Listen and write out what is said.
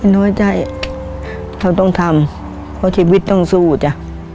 น้อยใจเขาต้องทำเพราะชีวิตต้องสู้จ้ะ